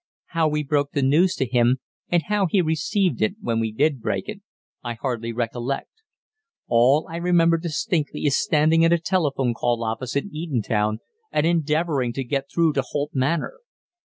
How we broke the news to him, and how he received it when we did break it, I hardly recollect. All I remember distinctly is standing in a telephone call office in Eton town, and endeavouring to get through to Holt Manor.